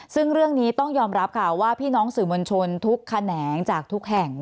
ซึ่งเรื่องนี้ต้องยอมรับค่ะว่าพี่น้องสื่อมวลชนทุกแขนงจากทุกแห่ง